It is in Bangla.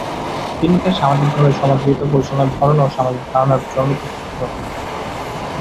তিনি তার সামাজিকভাবে সমাদৃত পরিচালনার ধরন ও সামাজিক ধারণার জন্য প্রসিদ্ধ।